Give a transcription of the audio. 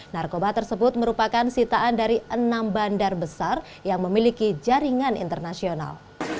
narkoba tersebut merupakan sitaan dari enam bandar besar yang memiliki jaringan internasional